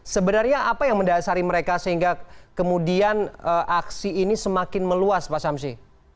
sebenarnya apa yang mendasari mereka sehingga kemudian aksi ini semakin meluas pak samsi